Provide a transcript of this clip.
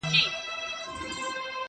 سپين لاسونه د ساقي به چيري وېشي!.